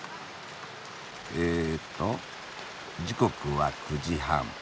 えっと時刻は９時半。